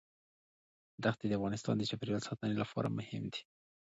دښتې د افغانستان د چاپیریال ساتنې لپاره مهم دي.